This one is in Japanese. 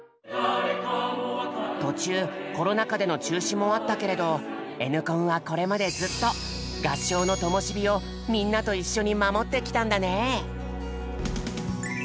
途中コロナ禍での中止もあったけれど「Ｎコン」はこれまでずっと合唱のともし火をみんなと一緒に守ってきたんだね。